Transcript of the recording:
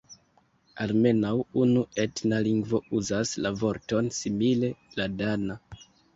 Almenaŭ unu etna lingvo uzas la vorton simile: la dana.